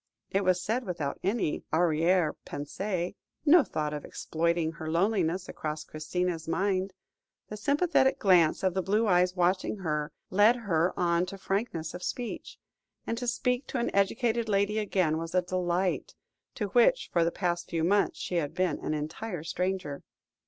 It was said without any arrière pensée; no thought of exploiting her loneliness crossed Christina's mind. The sympathetic glance of the blue eyes watching her, led her on to frankness of speech, and to speak to an educated lady again was a delight, to which for the past few months she had been an entire stranger.